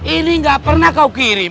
ini gak pernah kau kirim